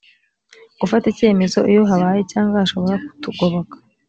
gufata icyemezo iyo habaye cyangwa hashobora kutugoboka